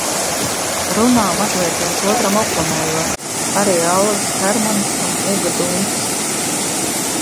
Runā, mazliet viens otram oponējot, arī Alvis Hermanis un Uga Dumpis.